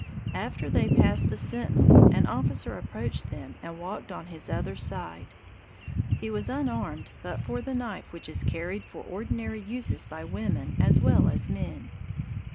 After they passed the sentinel, an officer approached them and walked on his other side. He was unarmed but for the knife which is carried for ordinary uses by women as well as men.